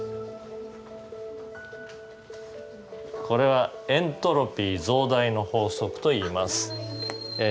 これはエントロピー増大の法則といいます。